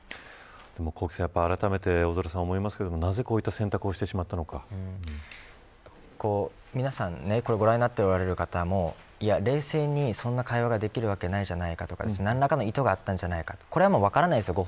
幸星さん、あらためて思いますが、なぜこういった皆さん、これをご覧になっておられる方も、冷静にそんな会話ができるわけないじゃないかとか何らかの意図があったんじゃないか分からないですよ